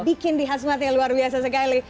bikin di khasmatnya luar biasa sekali